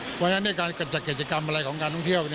เพราะฉะนั้นในการจัดกิจกรรมอะไรของการท่องเที่ยว